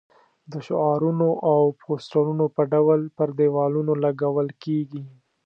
د شعارونو او پوسټرونو په ډول پر دېوالونو لګول کېږي.